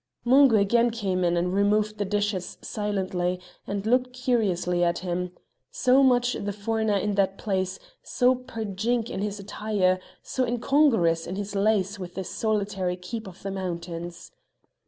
Mungo again came in and removed the dishes silently, and looked curiously at him so much the foreigner in that place, so perjink in his attire, so incongruous in his lace with this solitary keep of the mountains.